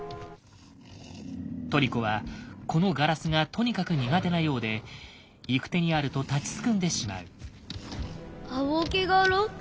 トリコはこのガラスがとにかく苦手なようで行く手にあると立ちすくんでしまう。